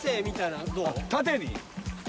縦に？